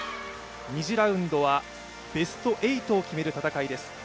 ２次ラウンドはベスト８を決める戦いです。